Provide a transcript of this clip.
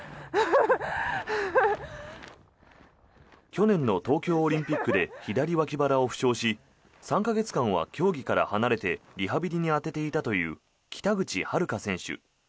去年の東京オリンピックで左わき腹を負傷し３か月間は競技から離れてリハビリに充てていたという北口榛花選手。